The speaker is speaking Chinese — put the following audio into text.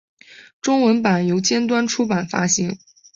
中文版由尖端出版发行。